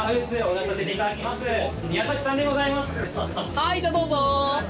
はい、じゃあどうぞ！